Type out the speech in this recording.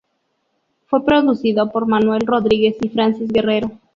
Fue producido por Manuel Rodríguez y Francis Guerrero.